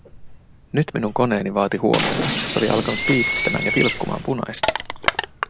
Nyt minun koneeni vaati huomiota, se oli alkanut piipittämään ja vilkkumaan punaista.